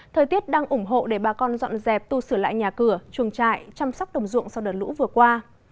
thời tiết đang ủng hộ để bà con dọn dẹp tu sửa lại nhà cửa chuồng trại chăm sóc đồng dụng sau đợt lũ vừa qua